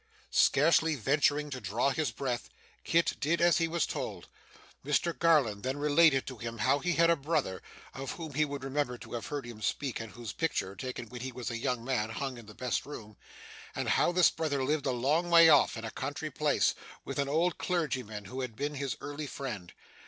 Scarcely venturing to draw his breath, Kit did as he was told. Mr Garland then related to him, how he had a brother (of whom he would remember to have heard him speak, and whose picture, taken when he was a young man, hung in the best room), and how this brother lived a long way off, in a country place, with an old clergyman who had been his early friend.